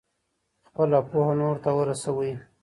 خپله پوهه نورو ته ورسوئ.